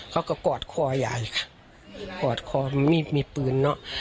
เขาก็กอดควอร์ยายค่ะกอดควอร์มีมีปืนเนอะ